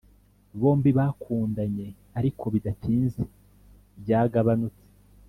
bombi bakundanye, ariko bidatinze byagabanutse